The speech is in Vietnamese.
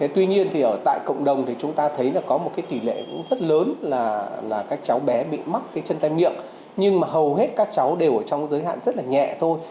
tuy nhiên tại cộng đồng chúng ta thấy có một tỷ lệ rất lớn là các cháu bé bị mắc chân tay miệng nhưng hầu hết các cháu đều ở trong giới hạn rất nhẹ thôi